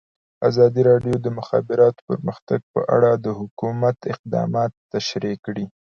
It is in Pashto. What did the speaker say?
ازادي راډیو د د مخابراتو پرمختګ په اړه د حکومت اقدامات تشریح کړي.